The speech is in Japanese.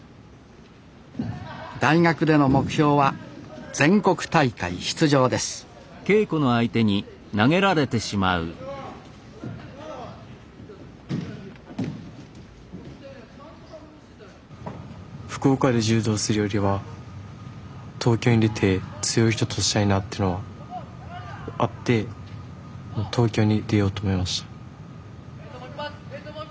大学での目標は全国大会出場です福岡で柔道するよりは東京に出て強い人としたいなっていうのはあって東京に出ようと思いました。